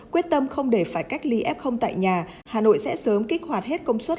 quyết tâm không để phải cách ly f tại nhà hà nội sẽ sớm kích hoạt hết công suất